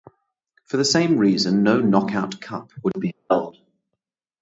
For the same reason no Knockout Cup would be held.